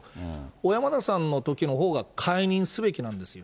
小山田さんのときのほうが解任すべきなんですよ。